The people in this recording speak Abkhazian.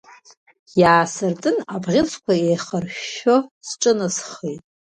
Иаасыртын абӷьыцқәа еихыршәшәо сҿынасхеит.